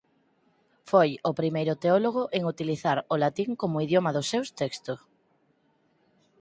Foi o primeiro teólogo en utilizar o latín como idioma dos seus texto.